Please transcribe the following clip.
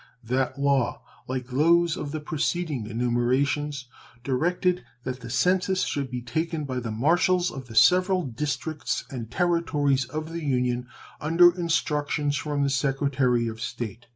That law, like those of the preceding enumerations, directed that the census should be taken by the marshals of the several districts and Territories of the Union under instructions from the Secretary of State.